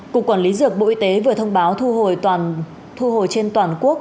cục quản lý dược bộ y tế vừa thông báo thu hồi trên toàn quốc